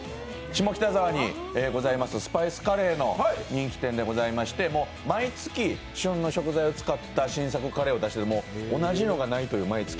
下北沢にございますスパイスカレーの人気店でございまして毎月、旬の素材を使った新作カレーがあって同じのがないという、毎月。